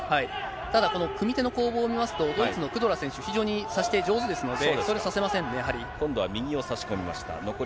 ただ、この組み手の攻防を見ますと、ドイツのクドラ選手、非常に差し手、上手ですので、差せませんね、やはり。